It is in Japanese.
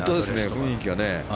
雰囲気がね。